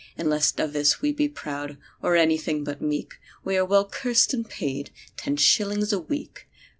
"And lest of this we be proud Or anything but meek, We are well cursed and paid— Ten shillings a week!"